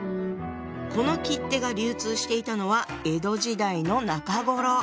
この切手が流通していたのは江戸時代の中頃。